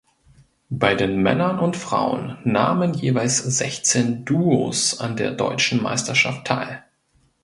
Bei den Männern und Frauen nahmen jeweils sechzehn Duos an der deutschen Meisterschaft teil.